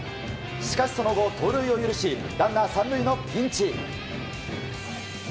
しかしその後、盗塁を許しランナー３塁のピンチ。